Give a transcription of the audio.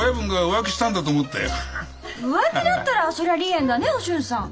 浮気だったらそりゃ離縁だねお俊さん。